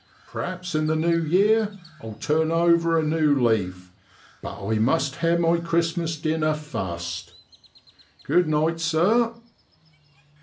P'raps in the new yeer I'll turn over a new leaf, but I must ha' my Christ mas dinner fust. Good night, sir.'